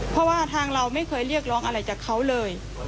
เพราะว่าทางเราไม่เคยเรียกร้องอะไรจากเขาเลย